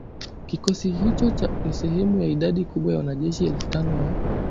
Kikosi hicho ni sehemu ya idadi kubwa ya wanajeshi elfu tano wa